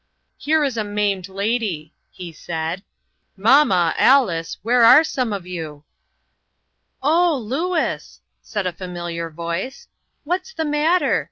" Here is a maimed lady," he said. " Mam ma, Alice, where are some of you?" 144 INTERRUPTED. "Oh, Louis!" said a familiar voice, "what's the matter?